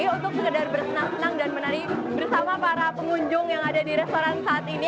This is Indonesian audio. untuk sekedar bersenang senang dan menari bersama para pengunjung yang ada di restoran saat ini